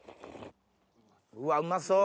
うわうまそう。